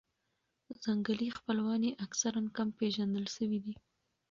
ځنګلي خپلوان یې اکثراً کم پېژندل شوي دي.